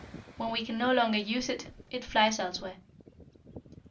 When we can no longer use it, it flies elsewhere."